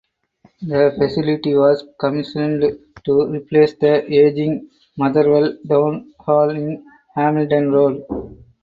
The facility was commissioned to replace the ageing Motherwell Town Hall in Hamilton Road.